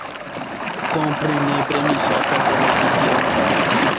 Kompreneble mi ŝatas legi tion